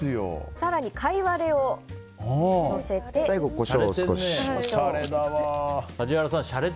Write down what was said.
更にカイワレをのせて。